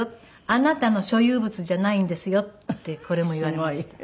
「あなたの所有物じゃないんですよ」ってこれも言われました。